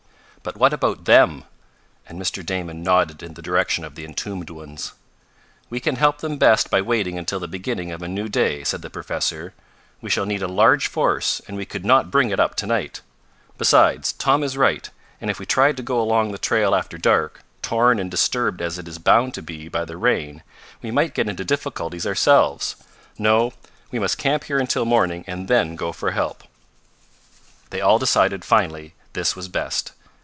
"But what about them?" and Mr. Damon nodded in the direction of the entombed ones. "We can help them best by waiting until the beginning of a new day," said the professor. "We shall need a large force, and we could not bring it up to night. Besides, Tom is right, and if we tried to go along the trail after dark, torn and disturbed as it is bound to be by the rain, we might get into difficulties ourselves. No, we must camp here until morning and then go for help." They all decided finally this was best.